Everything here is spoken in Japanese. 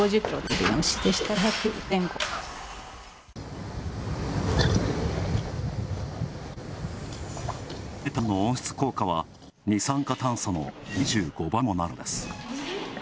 メタンの温室効果は二酸化炭素の２５倍にもなるのです。